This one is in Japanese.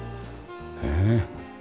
ねえ。